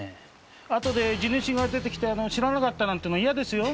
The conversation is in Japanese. あとで地主が出てきて知らなかったなんていうの嫌ですよ